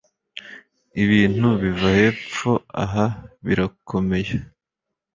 Ibintu biva hepfo aha birakomeye